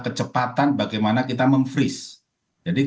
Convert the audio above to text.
kecepatan bagaimana kita memfreeze jadi